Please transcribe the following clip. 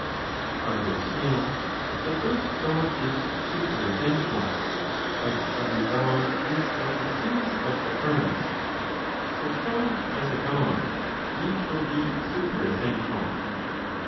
Farther still, if the first God is superessential, but every God is of the series of the first, so far as a God, each will be superessential.